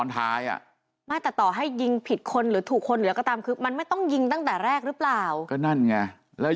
แต่ต่อให้ยิงผิดคุณหรือถูกคุณมันไม่ต้องยิงตั้งแต่แรกรึเปล่า